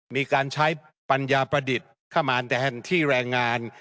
มีการใช้ปัญญาประดิษฐ์เข้ามาแทนที่แรงงาน